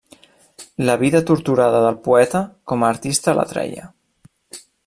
La vida torturada del poeta com a artista l'atreia.